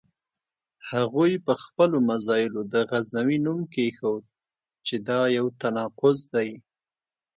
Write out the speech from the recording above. هغوی په خپلو مزایلو د غزنوي نوم کېښود چې دا یو تناقض دی.